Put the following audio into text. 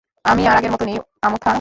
আমি আর আগের মতো নেই, আমুথা।